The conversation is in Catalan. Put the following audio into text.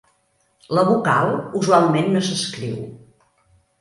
La vocal usualment no s'escriu.